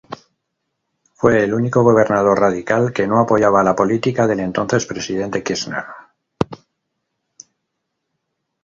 Fue el único gobernador radical que no apoyaba la política del entonces Presidente Kirchner.